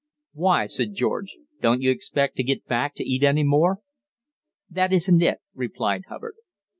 "Why," said George, "don't you expect to get back to eat any more?" "That isn't it," replied Hubbard.